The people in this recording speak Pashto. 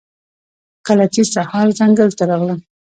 کله چې سهار ځنګل ته راغلم